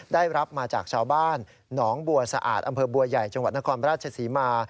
ได้รับมาจากชาวบ้านหนองบัวสะอาดอำเภอบัวใหญ่จังหวัดนครราชศรีมา